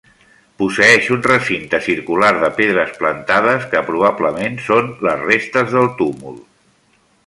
Posseeix un recinte circular de pedres plantades, que probablement són les restes del túmul.